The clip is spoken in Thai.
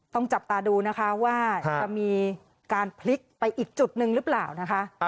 ต้องจับตาดูนะคะว่าจะมีการพลิกไปอีกจุดหนึ่งหรือเปล่านะคะ